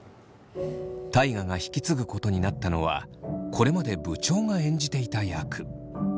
大我が引き継ぐことになったのはこれまで部長が演じていた役。